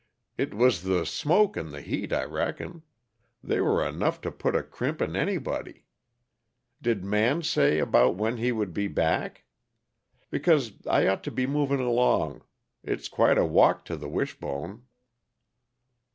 "It was the smoke and the heat, I reckon; they were enough to put a crimp in anybody. Did Man say about when he would be back? Because I ought to be moving along; it's quite a walk to the Wishbone."